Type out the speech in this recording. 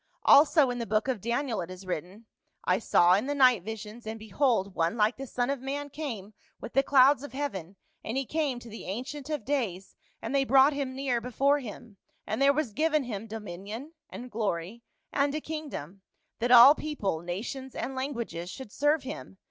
Also in the book of Daniel it is written ' I saw in the night visions, and behold one like the son of man came with the clouds of heaven, and he came to the Ancient of days, and they brought him near before him. And there was given him dominion, and glory, and a kingdom, that all people, nations, and languages should serve him.